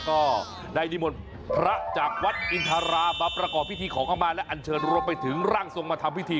ก็ได้นิมนต์พระจากวัดอินทรามาประกอบพิธีขอเข้ามาและอันเชิญรวมไปถึงร่างทรงมาทำพิธี